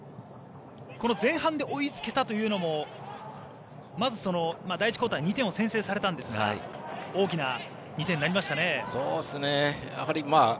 この前半で追いつけたというのも第１クオーターで２点を先制されたんですが大きな２点になりましたね。